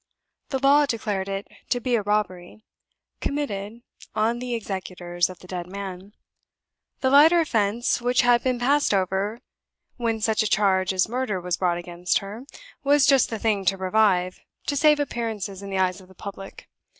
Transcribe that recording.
The law declared it to be a robbery committed on the executors of the dead man. The lighter offense which had been passed over when such a charge as murder was brought against her was just the thing to revive, to save appearances in the eyes of the public.